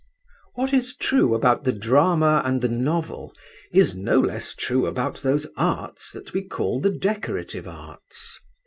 'What is true about the drama and the novel is no less true about those arts that we call the decorative arts.